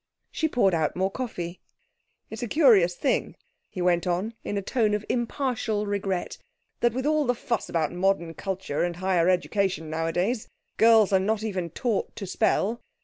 She poured out more coffee. 'It's a curious thing,' he went on in a tone of impartial regret, 'that, with all the fuss about modern culture and higher education nowadays, girls are not even taught to spell!'